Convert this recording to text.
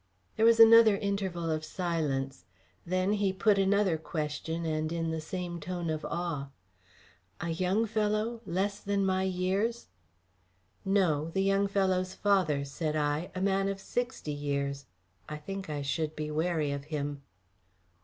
There was another interval of silence. Then he put another question and in the same tone of awe: "A young fellow, less than my years " "No. The young fellow's father," said I. "A man of sixty years. I think I should be wary of him."